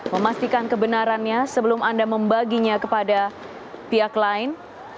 memastikan kebenarannya sebelum anda membaginya kepada pihak lain